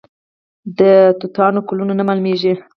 د توتانو ګلونه نه معلومیږي؟